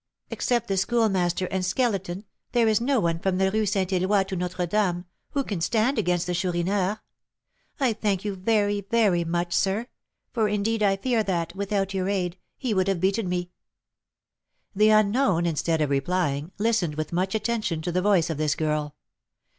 Except the Schoolmaster and Skeleton, there is no one, from the Rue Saint Eloi to Notre Dame, who can stand against the Chourineur. I thank you very, very much, sir, for, indeed, I fear that, without your aid, he would have beaten me." The unknown, instead of replying, listened with much attention to the voice of this girl.